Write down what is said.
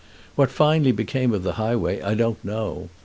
What finally became of the highway I don't know.